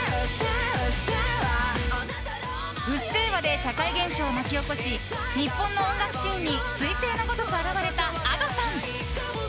「うっせぇわ」で社会現象を巻き起こし日本の音楽シーンに彗星のごとく現れたＡｄｏさん。